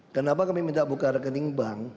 kenapa kami minta buka rekening bank